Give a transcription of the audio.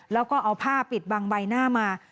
แล้วก็เอาผ้าปิดบังใบหน้ามา